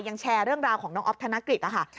ยังแชร์เรื่องราวของน้องออฟธนกฤษค่ะ